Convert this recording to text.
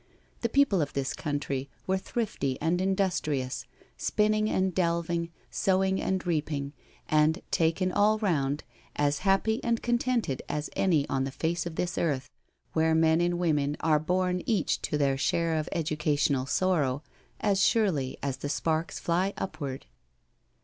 The people of this country were thrifty and industrious, spinning and delving, sowing and reaping, and, taken all round, as happy and contented as any on the face of this earth, where men and women are bom each to their share of educational sorrow, as surely as the sparks fly upward.